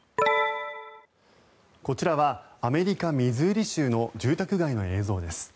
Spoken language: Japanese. こちらはアメリカ・ミズーリ州の住宅街の映像です。